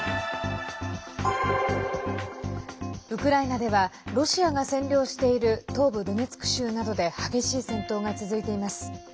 ウクライナではロシアが占領している東部ドネツク州などで激しい戦闘が続いています。